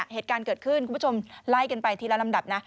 เหตุการณ์เกิดขึ้นคุณผู้ชมไล่กันไปทีละลำดับนะ